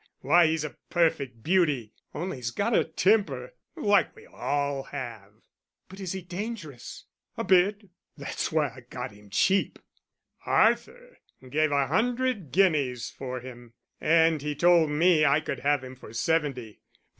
Why, he's a perfect beauty only he's got a temper, like we all have." "But is he dangerous?" "A bit that's why I got him cheap. Arthur gave a hundred guineas for him, and he told me I could have him for seventy.